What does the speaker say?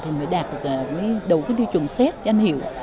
thì mới đạt được mới đủ cái tiêu chuẩn xét danh hiệu